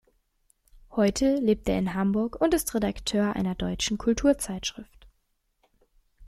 Heute lebt er in Hamburg und ist Redakteur einer deutschen Kulturzeitschrift.